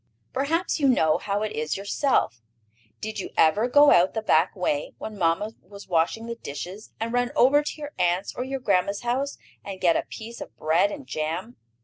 Perhaps you know how it is yourself. Did you ever go out the back way, when mamma was washing the dishes, and run over to your aunt's or your grandma's house, and get a piece of bread and jam?